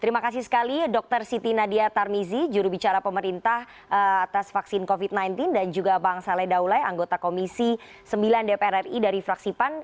terima kasih sekali dr siti nadia tarmizi jurubicara pemerintah atas vaksin covid sembilan belas dan juga bang saleh daulai anggota komisi sembilan dpr ri dari fraksi pan